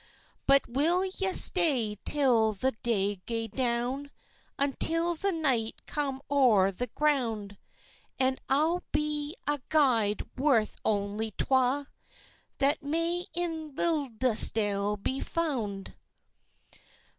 "But will ye stay till the day gae down, Until the night come o'er the grund, And I'll be a guide worth ony twa, That may in Liddesdale be fund?